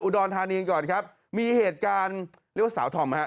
รธานีก่อนครับมีเหตุการณ์เรียกว่าสาวธอมฮะ